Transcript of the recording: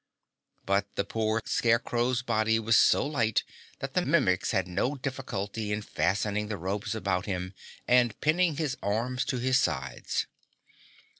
But the poor Scarecrow's body was so light that the Mimics had no difficulty in fastening the ropes about him and pinning his arms to his sides.